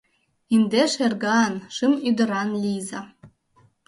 Индеш эрган, шым ӱдыран лийза